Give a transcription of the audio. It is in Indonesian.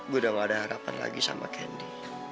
gue udah nggak ada harapan lagi sama candy